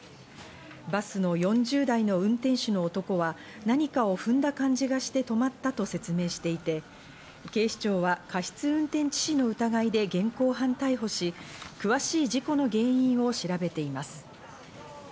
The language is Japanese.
バスの４０代の運転手の男は何かを踏んだ感じがして止まったと説明していて、警視庁は過失運転致死の疑いで現行犯逮捕し、詳しい事故の原因を調べています。